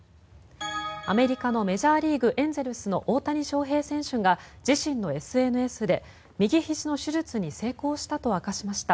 アメリカのメジャーリーグエンゼルスの大谷翔平選手が自身のＳＮＳで右ひじの手術に成功したと明かしました。